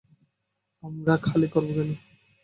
আমরা খালি করবো কেন?